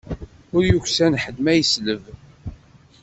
Ur yeksan ḥedd ma yesleb.